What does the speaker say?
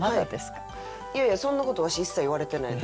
いやいやそんなことわし一切言われてないです。